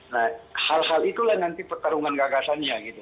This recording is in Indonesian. nah hal hal itulah nanti pertarungan gagasannya gitu